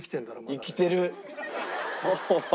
生きてる。